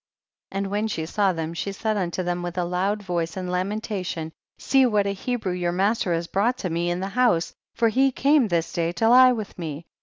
57. And when she saw them she said unto them with a loud voice and lamentation see what a Hebrew your master has brought to me in the house, for he came this day to lie with me.